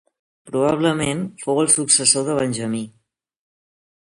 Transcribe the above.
Probablement fou el successor de Benjamí.